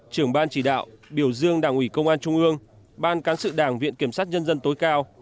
trưởng ban chỉ đạo biểu dương đảng ủy công an trung ương ban cán sự đảng viện kiểm sát nhân dân tối cao